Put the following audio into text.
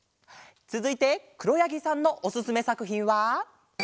つづいてくろやぎさんのおすすめさくひんは。